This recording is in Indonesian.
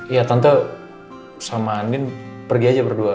iya tante sama andin pergi aja berdua